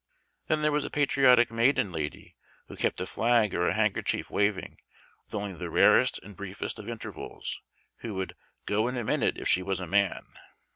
Then there was a patriotic maiden lady who kept a flag or a handkerchief waving with only the rarest and briefest of intervals, who " would go in a min ute if she was a man."